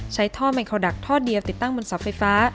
ใช้ท่อไมโครดักท่อเดียวติดตั้งบนเสาไฟฟ้า